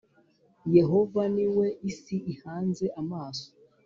Yehova niwe isi ihanze amaso